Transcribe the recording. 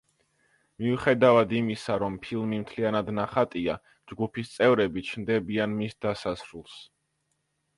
მიუხედავად იმისა, რომ ფილმი მთლიანად ნახატია, ჯგუფის წევრები ჩნდებიან მის დასასრულს.